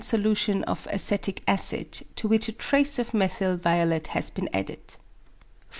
solution of acetic acid, to which a trace of methyl violet has been added.